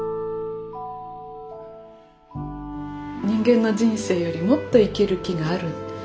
人間の人生よりもっと生きる木がある。